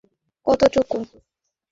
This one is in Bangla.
আর আমার ভাগ কতটুকু?